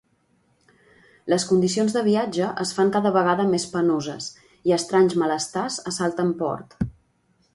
Les condicions de viatge es fan cada vegada més penoses i estranys malestars assalten Port.